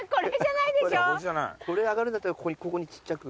これ上がるんだったらここにちっちゃく。